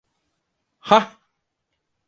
Hah…